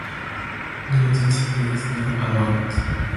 Nudity is not allowed.